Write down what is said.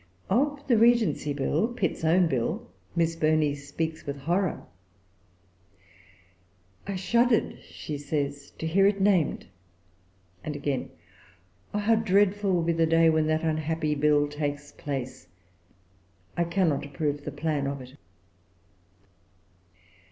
Of the Regency[Pg 370] bill, Pitt's own bill, Miss Burney speaks with horror. "I shuddered," she says, "to hear it named." And again, "Oh, how dreadful will be the day when that unhappy bill takes place! I cannot approve the plan of it."